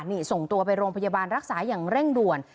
นี่ส่งตัวไปโรงพยาบาลรักษาอย่างเร่งด่วน